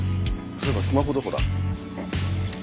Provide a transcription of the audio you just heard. そういえばスマホどこだ？